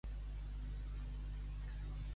Qui va sorgir de la relació d'aquestes divinitats?